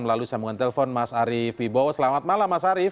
melalui sambungan telepon mas arief wibowo selamat malam mas arief